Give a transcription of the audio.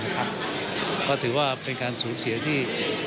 ก็ถือว่าเป็นการสูญเสียที่